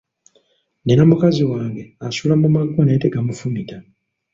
Nina mukazi wange asula mu maggwa naye tegamufumita.